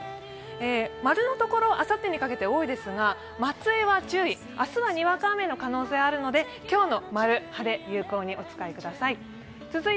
○のところ、あさってにかけて多いですが、松江は注意、明日はにわか雨の可能性があるので今日の○、晴れ、有効にお使いください。